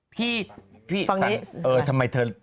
พี่ยนตรงนี้